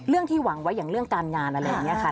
ที่หวังไว้อย่างเรื่องการงานอะไรอย่างนี้ค่ะ